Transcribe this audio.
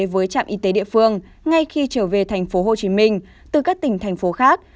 với trạm y tế địa phương ngay khi trở về tp hcm từ các tỉnh thành phố khác